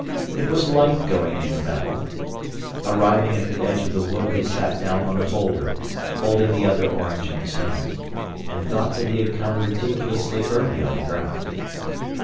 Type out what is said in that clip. It was like going into battle. Arriving at the edge of the wood he sat down on a boulder, holding the other orange in his hand, and thought that he had come ridiculously early on the ground.